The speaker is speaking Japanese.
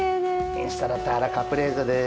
インサラータ・アラ・カプレーゼです。